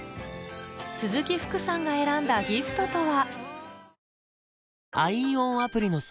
鈴木福さんが選んだギフトとは？